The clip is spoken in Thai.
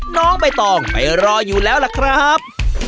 น้องใบตองไปรออยู่แล้วล่ะครับ